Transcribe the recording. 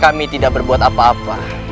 kami tidak berbuat apa apa